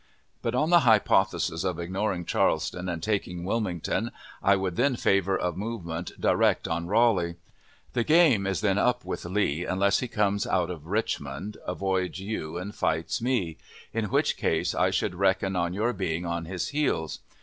But, on the hypothesis of ignoring Charleston and taking Wilmington, I would then favor a movement direct on Raleigh. The game is then up with Lee, unless he comes out of Richmond, avoids you and fights me; in which case I should reckon on your being on his heels.